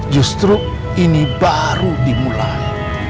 justru ini baru dimulai